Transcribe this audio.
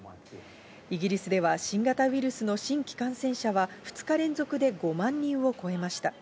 イギリスでは新型ウイルスの新規感染者は２日連続で５万人を超えました。